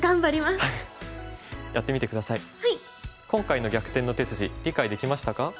今回の「逆転の手筋」理解できましたか？